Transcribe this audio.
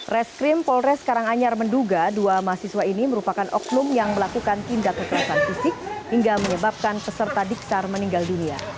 reskrim polres karanganyar menduga dua mahasiswa ini merupakan oknum yang melakukan tindak kekerasan fisik hingga menyebabkan peserta diksar meninggal dunia